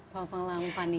selamat malam fani